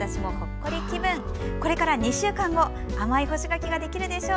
これから２週間後甘い干し柿ができるでしょう。